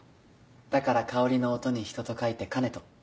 だから香りの音に人と書いて香音人。